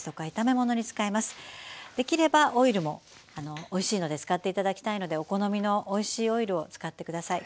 できればオイルもおいしいので使って頂きたいのでお好みのおいしいオイルを使ってください。